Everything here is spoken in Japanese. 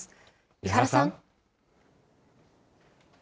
伊原さん。